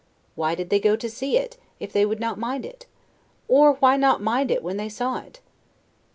Why did they go to see it, if they would not mind it? or why not mind it when they saw it?